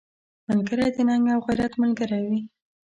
ملګری د ننګ او غیرت ملګری وي